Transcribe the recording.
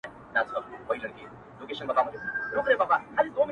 • ما يې لاره كړه بدله و بازار ته -